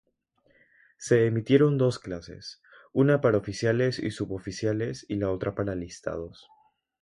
Se emitieron dos clases, una para oficiales y suboficiales y la otra para alistados.